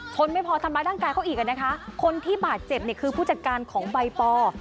ไม่พอทำร้ายร่างกายเขาอีกอ่ะนะคะคนที่บาดเจ็บเนี่ยคือผู้จัดการของใบปอ